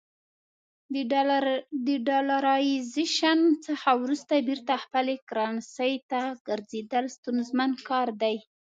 د ډالرایزیشن څخه وروسته بیرته خپلې کرنسۍ ته ګرځېدل ستونزمن کار دی.